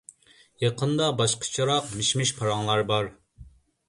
يېقىندا باشقىچىراق مىش-مىش پاراڭلار بار.